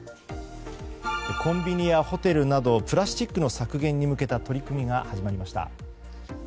コンビニやホテルなどプラスチックの削減に向けた取り組みが始まりました。